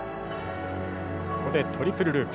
ここでトリプルループ。